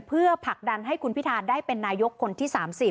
เพื่อผลักดันให้คุณพิธาได้เป็นนายกคนที่๓๐